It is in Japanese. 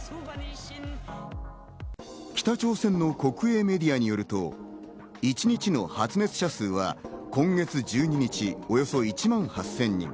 北朝鮮の国営メディアによると、一日の発熱者数は今月１２日、およそ１万８０００人。